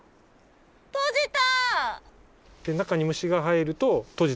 閉じた！